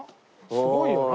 すごいよな。